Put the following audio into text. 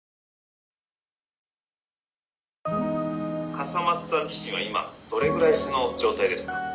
「笠松さん自身は今どれぐらい素の状態ですか？